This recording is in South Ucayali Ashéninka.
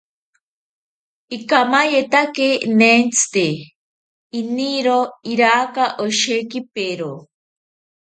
Ikamaetaki rentzite, iniro iraka oshekipero